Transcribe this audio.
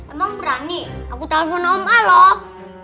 emang berani aku telfon om a loh